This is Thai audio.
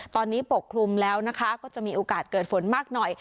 ตอนนี้ปกคลุมแล้วนะคะก็จะมีโอกาสเกิดฝนมากหน่อย